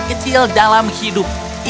orangtuaku bilang aku tidak menghargai hal hal